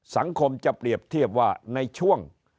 สังคมจะเปรียบเทียบว่าในช่วง